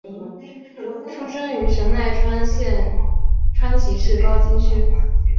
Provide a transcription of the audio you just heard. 出生于神奈川县川崎市高津区。